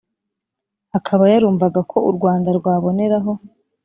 akaba yarumvaga ko u rwanda rwaboneraho